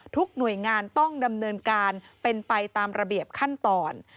ทุกหน่วยงานต้องดำเนินการเป็นไปตามระเบียบขั้นตอน